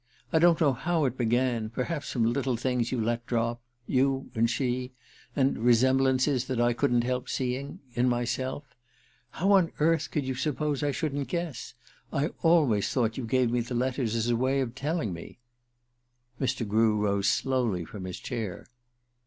I don't know how it began ... perhaps from little things you let drop ... you and she ... and resemblances that I couldn't help seeing ... in myself ... How on earth could you suppose I shouldn't guess? I always thought you gave me the letters as a way of telling me " Mr. Grew rose slowly from his chair.